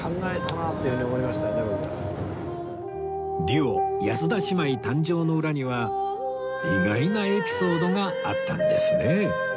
デュオ安田姉妹誕生の裏には意外なエピソードがあったんですね